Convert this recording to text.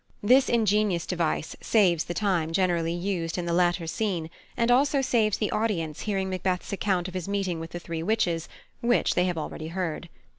This ingenious device saves the time generally used in the latter scene, and also saves the audience hearing Macbeth's account of his meeting with the Witches, which they have already heard.